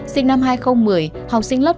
sinh năm hai nghìn một mươi học sinh lớp một